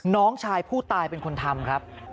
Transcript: น้องชายผู้ตายเป็นคนทำครับ